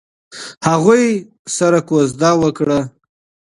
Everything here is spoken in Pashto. هغوی سره کوژده وکړه.